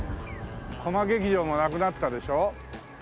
コマ劇場もなくなったでしょ。